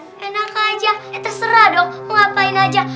enak aja eh terserah dong mau ngapain aja